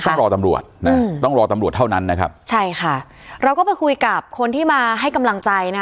ต้องรอตำรวจนะต้องรอตำรวจเท่านั้นนะครับใช่ค่ะเราก็ไปคุยกับคนที่มาให้กำลังใจนะคะ